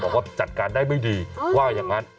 บอกว่าจัดการได้ไม่ดีว่าอย่างนั้น